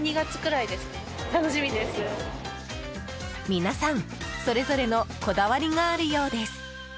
皆さん、それぞれのこだわりがあるようです。